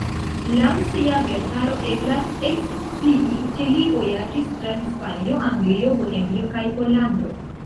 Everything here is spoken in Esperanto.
Laŭ sia verkaro eblas ekscii ke li vojaĝis tra Hispanio, Anglio, Bohemio kaj Pollando.